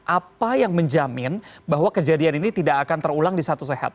apa yang menjamin bahwa kejadian ini tidak akan terulang di satu sehat